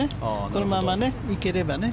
このまま行ければね。